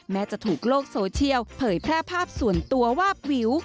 แม้จะถูกโลกโซเชียลเผยแพร่ภาพส่วนตัววาบวิว